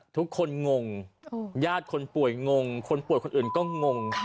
ทุกคนงงยาดคนป่วยงงคนปวดคนอื่นก็งง